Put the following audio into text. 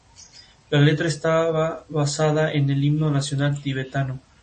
Entre el camino entre Calzadilla y esta localidad no atravesaba ninguna otra población.